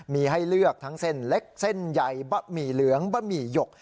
มีให้เลือกทั้งเส้นเล็กเส้นใหญ่บะหมี่เหลืองบะหมี่หยก